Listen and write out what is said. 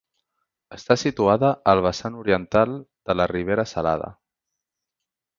Està situada al vessant oriental de la Ribera Salada.